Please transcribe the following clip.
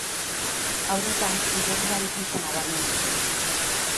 Haurretan, igerilari gisa nabarmendu zen.